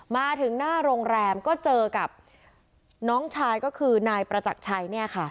มาถึงหน้าโรงแรมก็เจอกับน้องชายก็คือนายประจักรชัยเนี่ยค่ะ